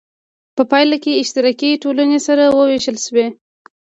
په پایله کې اشتراکي ټولنې سره وویشل شوې.